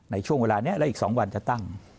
ในช่วงเวลานี้และอีก๒วันจะตั้ง